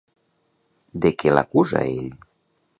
De què l'acusa ell?